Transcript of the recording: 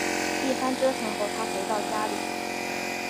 一番折腾后她回到家里